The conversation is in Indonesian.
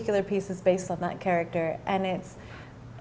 kisah ini berdasarkan karakter itu